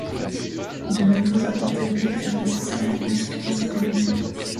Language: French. De nouveaux apports théoriques furent nécessaires afin d’expliquer ces phénomènes.